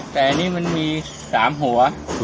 แต่นี้มันจะมี๓หัว